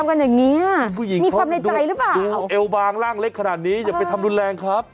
มีความในใจหรือเปล่าคุณผู้หญิงเขาดูเอวบางร่างเล็กขนาดนี้อย่าไปทำรุนแรงครับ